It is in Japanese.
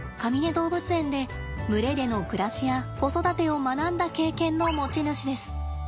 動物園で群れでの暮らしや子育てを学んだ経験の持ち主です。